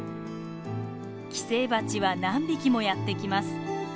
寄生バチは何匹もやってきます。